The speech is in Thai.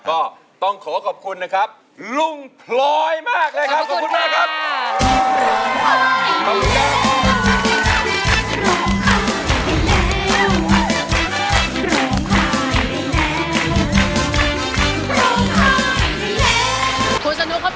ก็ต้องขอบคุณนะครับลุงพลอยมากเลยครับ